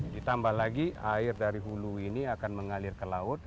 ditambah lagi air dari hulu ini akan mengalir ke laut